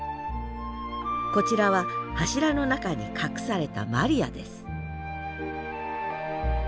こちらは柱の中に隠されたマリアです